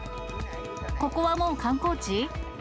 ここはもう観光地？